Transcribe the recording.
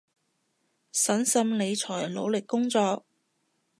審慎理財，努力工作